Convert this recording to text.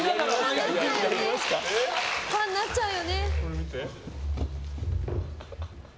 ファンになっちゃうよね。